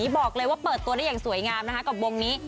บอกเลยว่าเปิดตัวได้อย่างสวยงามนะคะกับวงนี้